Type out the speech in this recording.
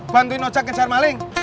bantuin ojek genjar maling